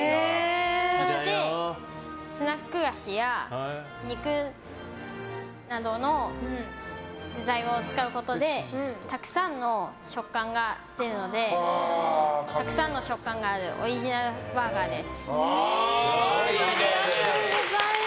そして、スナック菓子や肉などの具材を使うことでたくさんの食感が出るオリジナルバーガーです。